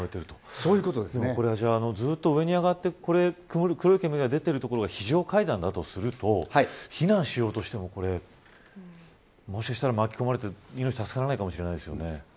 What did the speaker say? これは上に上がって黒い煙が出ている所は非常階段だとすると避難しようとしてももしかしたら、巻き込まれて命が助からないかもしれないですよね。